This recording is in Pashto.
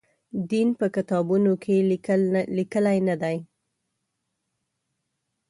دین په کتابونو کې لیکلي نه دی.